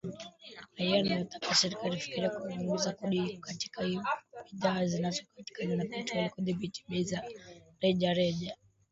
Raia wanataka serikali ifikirie kupunguza kodi katika bidhaa zinazotokana na petroli na kudhibiti bei za rejareja.